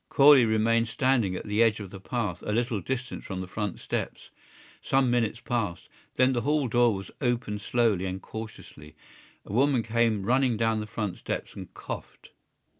Corley remained standing at the edge of the path, a little distance from the front steps. Some minutes passed. Then the hall door was opened slowly and cautiously. A woman came running down the front steps and coughed.